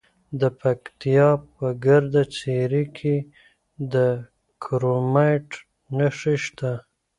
د پکتیا په ګرده څیړۍ کې د کرومایټ نښې شته.